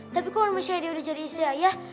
tapi kalo misalnya dia udah jadi istri ayah